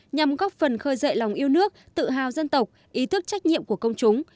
nhằm góp phần khơi dậy lòng yêu nước tự hào dân tộc ý thức trách nhiệm của công chúng